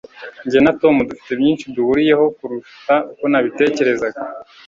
Jye na Tom dufite byinshi duhuriyeho kuruta uko nabitekerezaga.